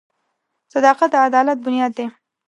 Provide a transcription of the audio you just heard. • صداقت د عدالت بنیاد دی.